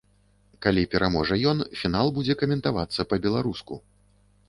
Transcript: Калі пераможа ён, фінал будзе каментавацца па-беларуску.